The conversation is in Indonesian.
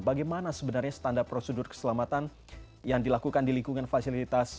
bagaimana sebenarnya standar prosedur keselamatan yang dilakukan di lingkungan fasilitas